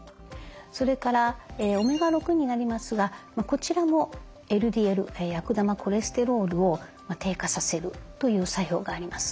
それからオメガ６になりますがこちらもＬＤＬ悪玉コレステロールを低下させるという作用があります。